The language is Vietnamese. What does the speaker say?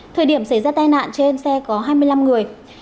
thời điểm xảy ra tai nạn trên xe có hai mươi năm người